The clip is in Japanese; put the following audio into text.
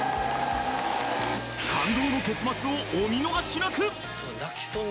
感動の結末をお見逃しなく！